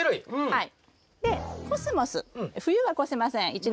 はい。